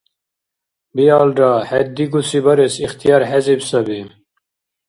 Биалра, хӀед дигуси барес ихтияр хӀезиб саби.